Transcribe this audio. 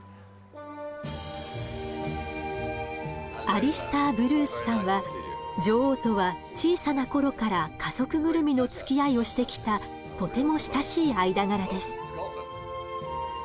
アリスター・ブルースさんは女王とは小さな頃から家族ぐるみのつきあいをしてきたとても親しい間柄です。